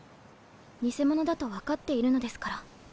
偽者だと分かっているのですから。